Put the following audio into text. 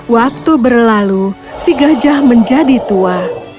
waktu berlalu si gajah menjadi tua